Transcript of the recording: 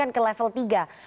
menurunkan ke level tiga